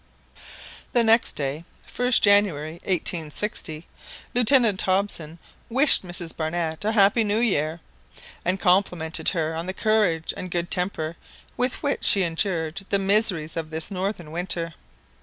The next day, 1st January 1860, Lieutenant Hobson wished Mrs Barnett a happy new year, and complimented her on the courage and good temper with which she endured the miseries of this northern winter.